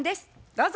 どうぞ。